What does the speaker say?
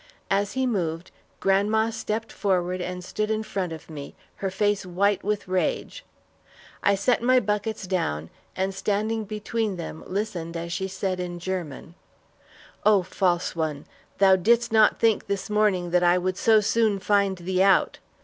As he moved, grandma stepped forward and stood in front of me, her face white with rage. I set my buckets down and standing between them listened as she said in German: "Oh, false one, thou didst not think this morning that I would so soon find thee out.